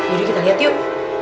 udah kita lihat yuk